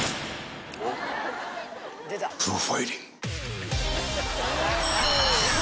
プロファイリング。